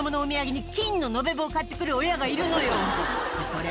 これ。